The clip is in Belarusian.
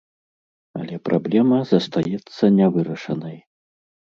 Але праблема застаецца нявырашанай.